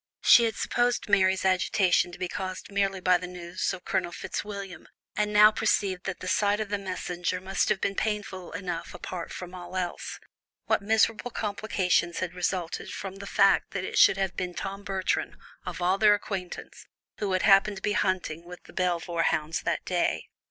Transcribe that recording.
She had supposed Mary's agitation to be caused merely by the news of Colonel Fitzwilliam, and now perceived that the sight of the messenger must have been painful enough apart from all else. What miserable complications had resulted from the fact that it should have been Tom Bertram, of all their acquaintance, who had happened to be hunting with the Belvoir hounds that day!